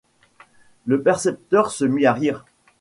Le percepteur se mit à rire.